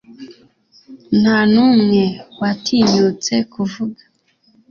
Nta n'umwe watinyutse kuvuga.